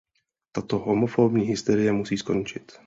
Tato homofóbní hysterie musí skončit.